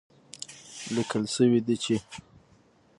ليکل شوي دي چې